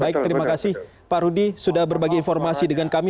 baik terima kasih pak rudi sudah berbagi informasi dengan kami